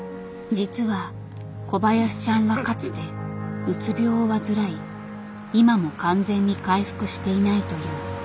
実は小林さんはかつてうつ病を患い今も完全に回復していないという。